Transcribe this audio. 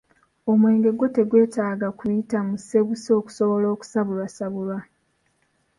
Omwenge gwo tegwetaaga kuyita mu ssebusa okusobola okusabulwasabulwa.